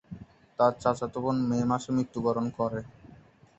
তার চাচাতো বোন মে মাসে মৃত্যুবরণ করে।